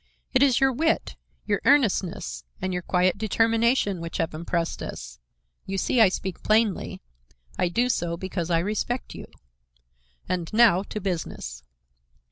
It is your wit, your earnestness and your quiet determination which have impressed us. You see I speak plainly. I do so because I respect you. And now to business."